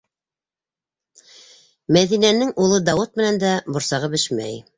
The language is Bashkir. Мәҙинәнең улы Дауыт менән дә борсағы бешмәй.